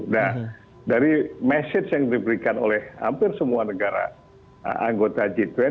nah dari message yang diberikan oleh hampir semua negara anggota g dua puluh